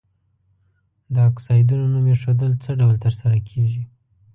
د اکسایدونو نوم ایښودل څه ډول تر سره کیږي؟